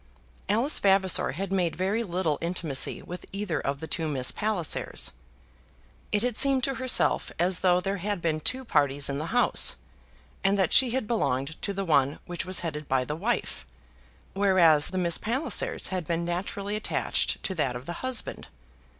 Alice Vavasor had made very little intimacy with either of the two Miss Pallisers. It had seemed to herself as though there had been two parties in the house, and that she had belonged to the one which was headed by the wife, whereas the Miss Pallisers had been naturally attached to that of the husband.